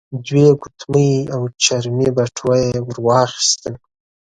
دوې ګوتمۍ او چرمې بټوه يې ور واخيستل.